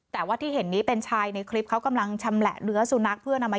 แต่ว่าที่เห็นนี้เป็นชายในคลิปเขากำลังชำแหละเนื้อสุนัขเพื่อนำมา